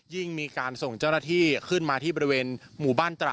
มีการส่งเจ้าหน้าที่ขึ้นมาที่บริเวณหมู่บ้านตระ